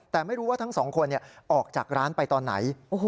แต่ไม่รู้ว่าทั้งสองคนออกจากร้านไปตอนไหน